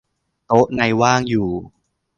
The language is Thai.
โต๊ะในว่างอยู่